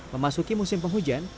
memasuki musim penghujan